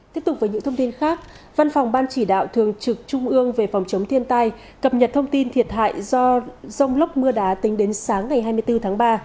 tiếp tục với những thông tin khác văn phòng ban chỉ đạo thường trực trung ương về phòng chống thiên tai cập nhật thông tin thiệt hại do rông lốc mưa đá tính đến sáng ngày hai mươi bốn tháng ba